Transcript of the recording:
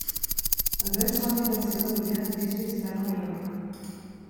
El gran somni de la seva vida, és visitar Nova York.